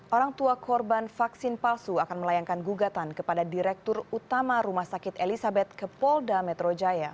orang tua korban vaksin palsu akan melayangkan gugatan kepada direktur utama rumah sakit elizabeth ke polda metro jaya